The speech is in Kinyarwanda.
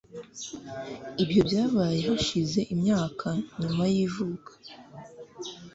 Ibyo byabaye hashize imyaka nyuma y ivuka